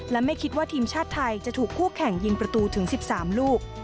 และไม่คิดว่าทีมชาติไทยจะถูกคู่แข่งยิงประตูถึง๑๓ลูก